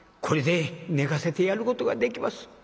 これで寝かせてやることができます。